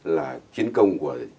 là chiến công của